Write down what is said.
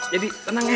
jadi tenang ya